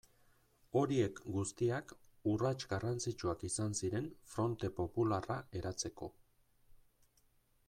Horiek guztiak urrats garrantzitsuak izan ziren Fronte Popularra eratzeko.